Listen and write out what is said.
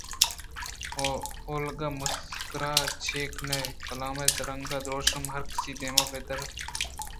اولگا مسکرا چیا کنئے؟ کلام ءِرنگ ءُ درٛوشم ہرکسی دیمءَپدّر اِنت